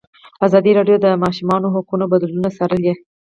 ازادي راډیو د د ماشومانو حقونه بدلونونه څارلي.